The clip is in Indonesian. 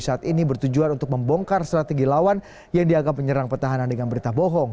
saat ini bertujuan untuk membongkar strategi lawan yang diagam penyerang pertahanan dengan berita bohong